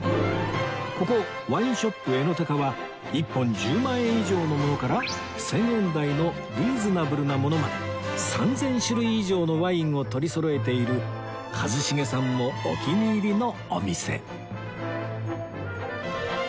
ここワインショップ・エノテカは１本１０万円以上のものから１０００円台のリーズナブルなものまで３０００種類以上のワインを取りそろえている一茂さんもお気に入りのお店